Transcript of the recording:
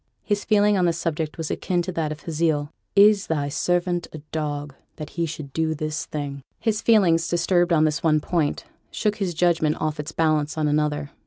His feeling on the subject was akin to that of Hazael, 'Is thy servant a dog that he should do this thing?' His feelings, disturbed on this one point, shook his judgment off its balance on another.